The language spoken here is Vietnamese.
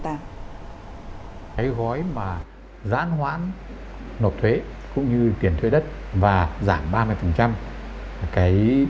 cái gói mà giãn hoãn nộp thuế cũng như tiền thuế đất và giảm ba mươi là cái